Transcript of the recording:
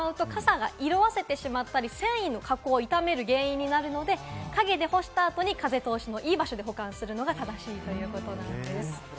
日陰、武田さんがおっしゃった通り、直射日光を当ててしまうと傘が色あせてしまったり、繊維の加工を傷める原因になるので陰で干した後に風通しのいい場所に保管するのが正しいということです。